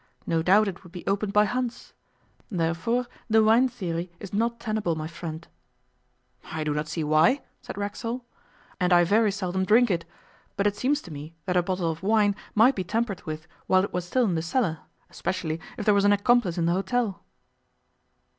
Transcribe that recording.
No doubt it would be opened by Hans. Therefore the wine theory is not tenable, my friend.' 'I do not see why,' said Racksole. 'I know nothing of wine as an expert, and I very seldom drink it, but it seems to me that a bottle of wine might be tampered with while it was still in the cellar, especially if there was an accomplice in the hotel.